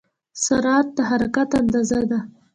سرعت د حرکت اندازه ده.